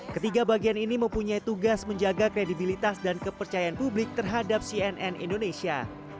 ketiga bagian ini mempunyai tugas menjaga kredibilitas dan kepercayaan publik terhadap cnn indonesia